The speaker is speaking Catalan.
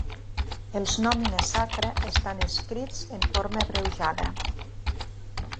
Els Nomina sacra estan escrits en forma abreujada.